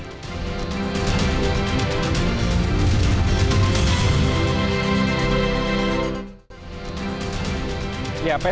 pesta demokrasi kala pandemi